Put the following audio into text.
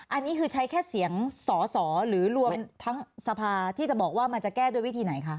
อันนี้คือใช้แค่เสียงสอสอหรือรวมทั้งสภาที่จะบอกว่ามันจะแก้ด้วยวิธีไหนคะ